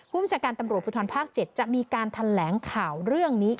ผู้บัญชาการตำรวจภูทรภาค๗จะมีการแถลงข่าวเรื่องนี้